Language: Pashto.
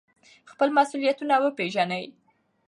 خپل مسؤلیتونه وپیژنئ.